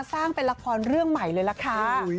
สร้างเป็นละครเรื่องใหม่เลยล่ะค่ะ